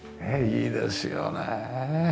いいですよねえ。